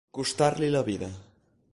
Costar-li la vida.